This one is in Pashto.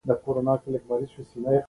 پوهانو چلند پام ځان ته واړاوه.